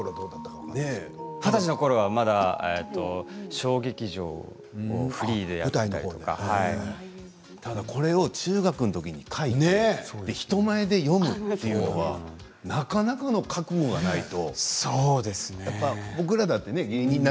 二十歳のころはまだこれを中学のときに書いて人前で読むというのはなかなかの覚悟がないと。